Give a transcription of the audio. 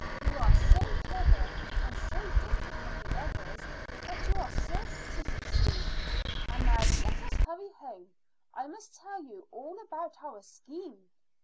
You are so clever, and so different from the others, that you are certain to succeed. And now let us hurry home. I must tell you all about our scheme.